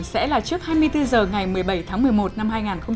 sẽ là trước hai mươi bốn h ngày một mươi bảy tháng một mươi một năm hai nghìn hai mươi